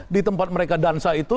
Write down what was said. di tempat mereka dansa itu